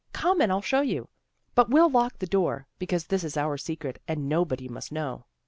Come and I'll show you. But we'll lock the door, because this is our secret and nobody must know."